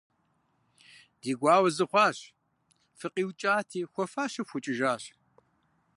Ди гуауэ зы хъуащ - фыкъиукӀати, хуэфащэу фыукӀыжащ.